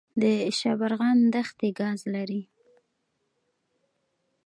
د شبرغان دښتې ګاز لري